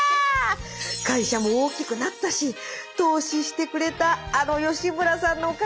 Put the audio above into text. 会社も大きくなったし投資してくれたあの吉村さんのおかげだ。